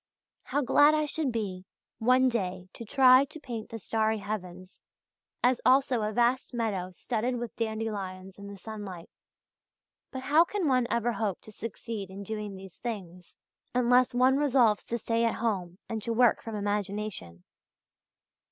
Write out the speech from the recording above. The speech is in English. "How glad I should be, one day to try to paint the starry heavens, as also a vast meadow studded with dandelions in the sunlight. But how can one ever hope to succeed in doing these things unless one resolves to stay at home and to work from imagination?"